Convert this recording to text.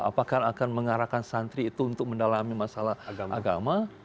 apakah akan mengarahkan santri itu untuk mendalami masalah agama